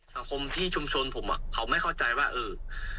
สังคมที่ชุมชนผมอ่ะเขาไม่เข้าใจว่าเออ